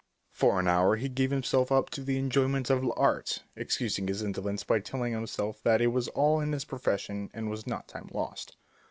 For an hour he gave himself up to the enjoyment of l'Art, excusing his indolence by telling himself that it was all in his profession and was not time lost.